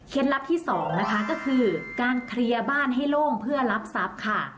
ลับที่๒นะคะก็คือการเคลียร์บ้านให้โล่งเพื่อรับทรัพย์ค่ะ